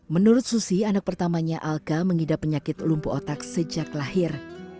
menurut susi anak pertamanya alka mengidap penyakit lumpuh otak sejak lahir